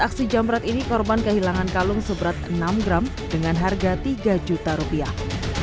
aksi jamrat ini korban kehilangan kalung seberat enam gram dengan harga tiga juta rupiah